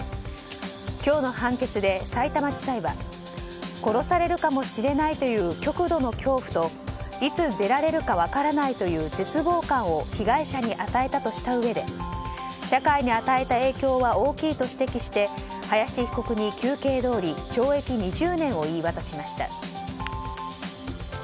今日の判決で、さいたま地裁は殺されるかもしれないという極度の恐怖といつ出られるか分からないという絶望感を被害者に与えたとしたうえで社会に与えた影響は大きいと指摘して林被告に求刑どおり懲役２０年を言い渡しました。